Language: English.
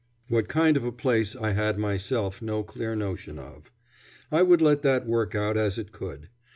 What kind of a place I had myself no clear notion of. I would let that work out as it could.